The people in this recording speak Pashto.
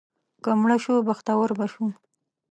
که مړه شو، بختور به شو.